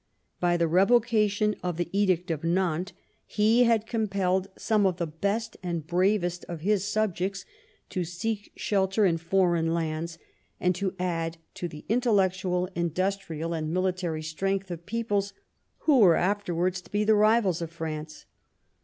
By the revocation of the edict of Nantes he had compelled some of the best and bravest of his subjects to seek shelter in foreign lands and to add to the intellectual, industrial, and military strength of peoples who were afterwards to be the rivals of France.